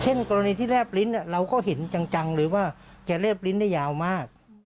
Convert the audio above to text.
กรณีที่แรบลิ้นเราก็เห็นจังเลยว่าแกแลบลิ้นได้ยาวมาก